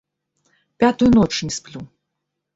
Пятую ноч не сплю.